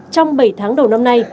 trong bảy tháng đầu năm nay